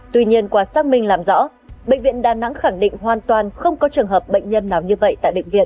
tuy nhiên qua xác minh làm rõ bệnh viện đà nẵng khẳng định hoàn toàn không có trường hợp bệnh nhân nào như vậy tại bệnh viện